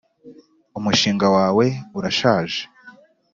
Umushinga wawe urashaje.